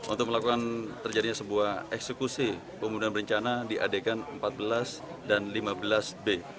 untuk melakukan terjadinya sebuah eksekusi pembunuhan berencana di adegan empat belas dan lima belas b